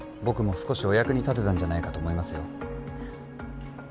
僕も少しお役に立てたんじゃないかと思いますよ